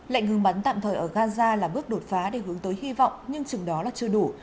lệnh ngừng bắn tạm thời ở gaza là bước đột phá để hướng tới hy vọng nhưng chừng đó là chưa đủ